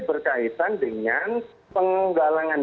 berkaitan dengan penggalangan